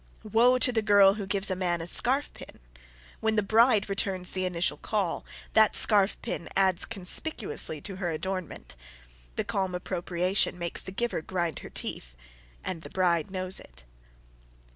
Woe to the girl who gives a man a scarf pin! When the bride returns the initial call, that scarf pin adds conspicuously to her adornment. The calm appropriation makes the giver grind her teeth and the bride knows it.